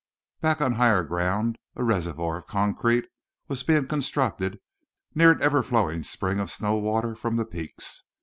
Back on higher ground a reservoir of concrete was being constructed near an ever flowing spring of snow water from the peaks.